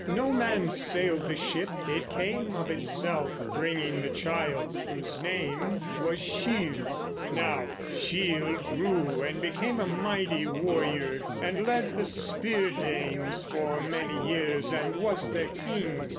No man sailed the ship; it came of itself, bringing the child, whose name was Scyld. Now Scyld grew and became a mighty warrior, and led the Spear Danes for many years, and was their king.